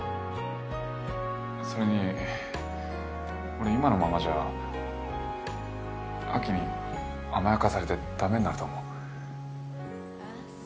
それに俺今のままじゃ亜紀に甘やかされて駄目になると思う。